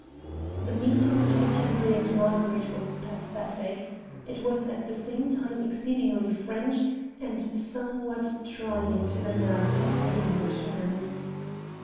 The meeting between Henri and Marguerite was pathetic. It was at the same time exceedingly French, and somewhat trying to the nerves of the Englishmen.